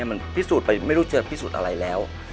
มันพิสูจน์ไปไม่รู้จะพิสูจน์อะไรแล้ว